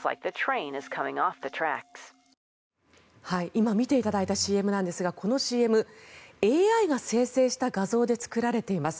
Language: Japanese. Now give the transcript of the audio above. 今、見ていただいたＣＭなんですがこのＣＭＡＩが生成した画像で作られています。